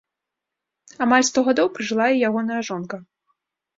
Амаль сто гадоў пражыла і ягоная жонка.